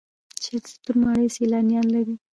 چهلستون ماڼۍ سیلانیان لري